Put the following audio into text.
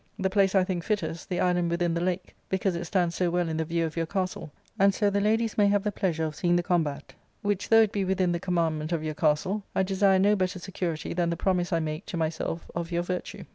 The place I think fittest, the island within the lake, because it stands so well in the view of your castle as that the ladies may have the plea sure of seeing the combat, which, though it be within the commandment of your castle, I desire no better security than the promise I make to myself of your virtue.